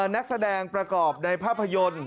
นักแสดงประกอบในภาพยนตร์